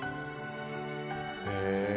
「へえ！」